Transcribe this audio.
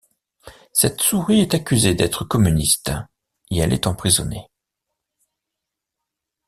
Cette souris est accusée d'être communiste et elle est emprisonnée.